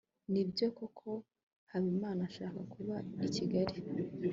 nibyo koko habimana ashaka kuba i kigali